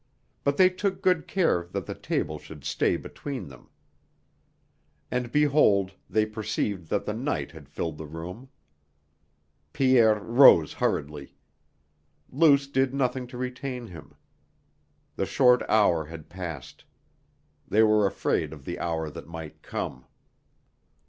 But they took good care that the table should stay between them. And behold, they perceived that the night had filled the room. Pierre rose hurriedly. Luce did nothing to retain him. The short hour had passed. They were afraid of the hour that might come.